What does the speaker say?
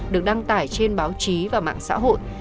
được đăng tải trên báo chí và mạng xã hội